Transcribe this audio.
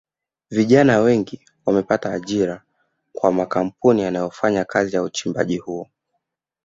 Vijana wengi wamepata ajira kwa makampuni yanayofanya kazi ya uchimbaji huo